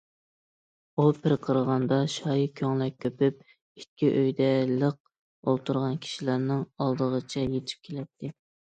ئۇ پىرقىرىغاندا شايى كۆڭلەك كۆپۈپ، ئېتىكى ئۆيدە لىق ئولتۇرغان كىشىلەرنىڭ ئالدىغىچە يېتىپ كېلەتتى.